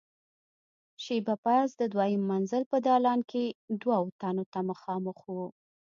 شېبه پس د دويم منزل په دالان کې دوو تنو ته مخامخ وو.